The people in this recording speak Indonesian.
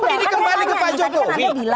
ini kembali ke pak jokowi bilang